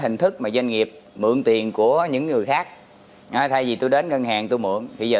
hình thức mà doanh nghiệp mượn tiền của những người khác thay vì tôi đến ngân hàng tôi mượn thì giờ